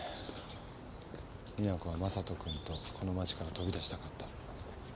実那子は将人くんとこの町から飛び出したかった。